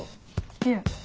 いえ。